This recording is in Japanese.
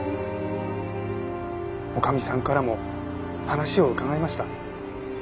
女将さんからも話を伺いました。